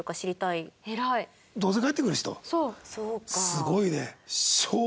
すごいね。